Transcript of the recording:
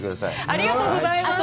ありがとうございます。